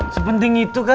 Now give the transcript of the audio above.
sepenting itu kah